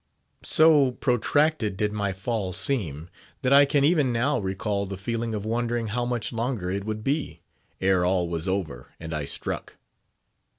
So protracted did my fall seem, that I can even now recall the feeling of wondering how much longer it would be, ere all was over and I struck.